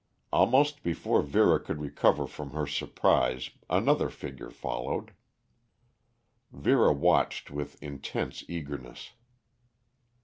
Almost before Vera could recover from her surprise another figure followed. Vera watched with intense eagerness.